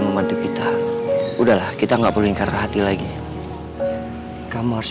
mona aku udah siapin kebaya buat kamu nih